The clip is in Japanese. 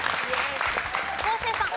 昴生さん。